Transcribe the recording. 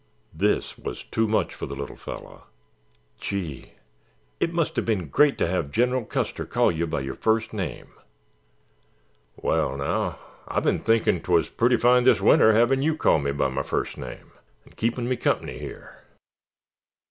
This was too much for the little fellow. "Gee, it must have been great to have General Custer call you by your first name." "Wal, now, I ben thinkin' 'twas purty fine this winter hevin' yew call me by my fust name, 'n' keep me comp'ny here.